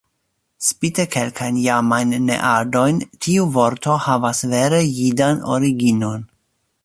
Spite kelkajn jamajn neadojn, tiu vorto havas vere jidan originon.